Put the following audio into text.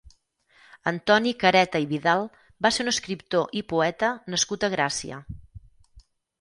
Antoni Careta i Vidal va ser un escriptor i poeta nascut a Gràcia.